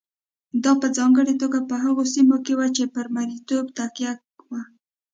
دا په ځانګړې توګه په هغو سیمو کې وه چې پر مریتوب تکیه وه.